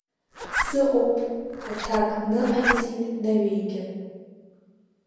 Сыҟоуп, аҭак ныҟаиҵеит Наҩеигьы.